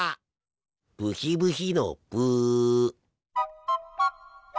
ブヒブヒのブ。